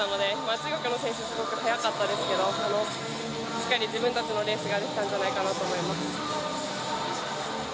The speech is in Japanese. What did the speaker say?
中国の選手、すごく速かったですけどしっかり自分たちのレースができたんじゃないかなと思います。